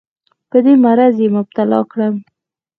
په دې مرض یې مبتلا کړم.